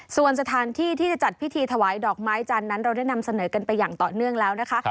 ส่วนสถานที่ที่จะจัดพิธีถวายดอกไม้จันทร์นั้นเราได้นำเสนอกันไปอย่างต่อเนื่องแล้วนะคะ